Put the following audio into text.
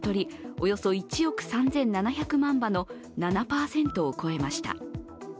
およそ１億３７００万羽の７％を超えました。